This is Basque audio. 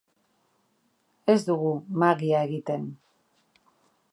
Ez dugu magia egiten.